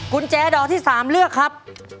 กุญแจดอกที่๓เลือกครับ